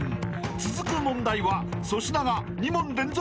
［続く問題は粗品が２問連続正解］